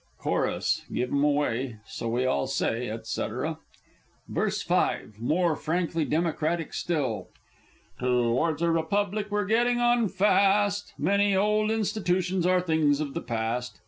Chorus Give 'em away! So we all say, &c. VERSE V. (More frankly Democratic still.) To wards a Republic we're getting on fast; Many old Institootions are things of the past.